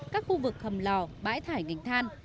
các khu vực hầm lò bãi thải ngành than